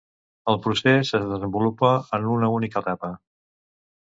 El procés es desenvolupa en una única etapa.